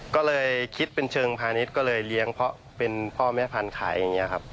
ก็เลยคิดเป็นเชิงพาณิชย์ก็เลยเลี้ยงเพราะเป็นพ่อแม่พันธุ์ขายอย่างนี้ครับ